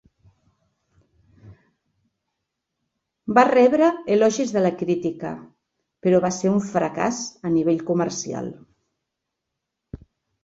Va rebre elogis de la crítica, però va ser un fracàs a nivell comercial.